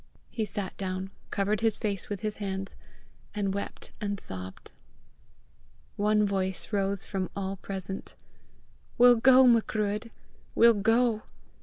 He sat down, covered his face with his hands, and wept and sobbed. One voice rose from all present: "We'll go, Macruadh! We'll go!